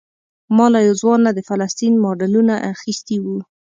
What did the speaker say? ما له یو ځوان نه د فلسطین ماډلونه اخیستي وو.